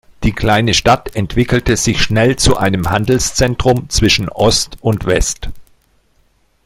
Die kleine Stadt entwickelte sich schnell zu einem Handelszentrum zwischen Ost und West.